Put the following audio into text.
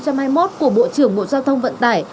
của bộ trưởng bộ giao thông vận tải